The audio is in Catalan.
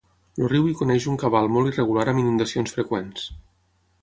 El riu hi coneix un cabal molt irregular amb inundacions freqüents.